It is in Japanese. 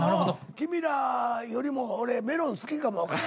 君らよりも俺メロン好きかもわからん。